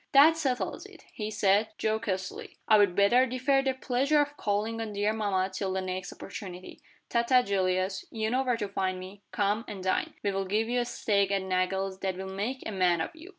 "That settles it," he said, jocosely. "I'd better defer the pleasure of calling on dear mamma till the next opportunity. Ta ta, Julius. You know where to find me. Come, and dine. We'll give you a steak at Nagle's that will make a man of you."